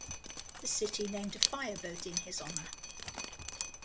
The city named a fireboat in his honor.